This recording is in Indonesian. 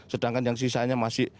sedangkan yang sisanya masih